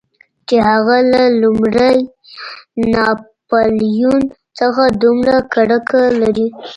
چې هغه له لومړي ناپلیون څخه دومره کرکه لري.